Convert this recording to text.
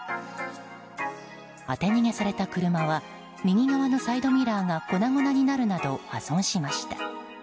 当て逃げされた車は右側のサイドミラーが粉々になるなど破損しました。